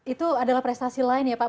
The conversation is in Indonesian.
itu adalah prestasi lain ya pak